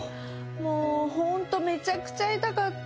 もう本当めちゃくちゃ痛かった。